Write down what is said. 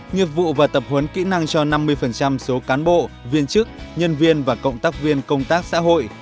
nghiệp vụ và tập huấn kỹ năng cho năm mươi số cán bộ viên chức nhân viên và cộng tác viên công tác xã hội